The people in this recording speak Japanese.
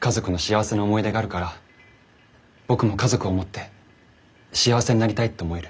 家族の幸せな思い出があるから僕も家族を持って幸せになりたいって思える。